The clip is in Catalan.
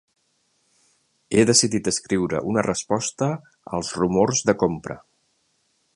He decidit escriure una resposta als rumors de compra.